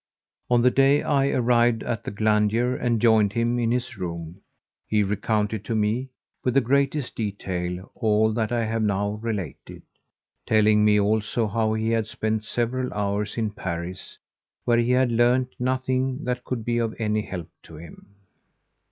On the day I arrived at the Glandier and joined him in his room, he recounted to me, with the greatest detail, all that I have now related, telling me also how he had spent several hours in Paris where he had learned nothing that could be of any help to him.